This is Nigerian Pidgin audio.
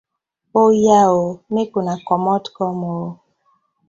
Oya ooo!! Mek una komot kom oo!